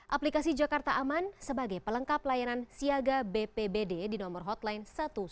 aplikasi jakarta aman sebagai pelengkap layanan siaga bpbd di nomor hotline satu ratus sepuluh